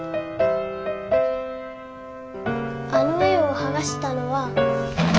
あの絵をはがしたのは。